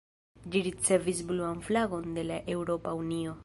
Ĝi ricevis bluan flagon de la Eŭropa Unio.